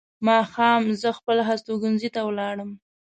ماښام زه خپل استوګنځي ته ولاړم.